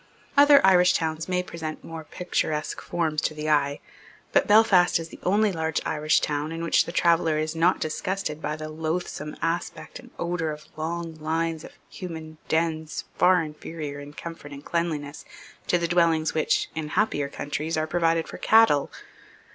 Other Irish towns may present more picturesque forms to the eye. But Belfast is the only large Irish town in which the traveller is not disgusted by the loathsome aspect and odour of long lines of human dens far inferior in comfort and cleanliness to the dwellings which, in happier countries, are provided for cattle.